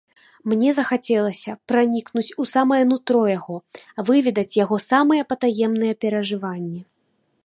Мне захацелася пранікнуць у самае нутро яго, выведаць яго самыя патаемныя перажыванні.